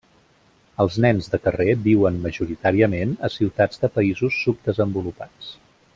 Els nens de carrer viuen majoritàriament a ciutats de països subdesenvolupats.